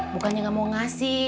bukannya gak mau ngasih